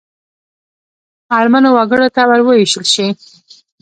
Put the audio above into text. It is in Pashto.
اړمنو وګړو ته ووېشل شي.